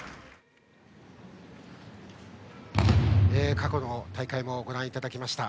過去の大会をご覧いただきました。